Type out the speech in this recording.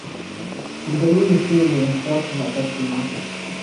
اداري اصول د انصاف ملاتړ کوي.